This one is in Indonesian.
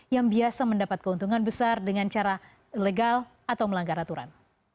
yang biasa mendapat keuntungan besar dengan cara legal atau melanggar aturan